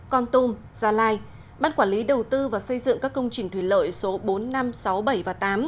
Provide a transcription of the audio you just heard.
con tum gia lai bán quản lý đầu tư và xây dựng các công trình thủy lợi số bốn năm sáu bảy và tám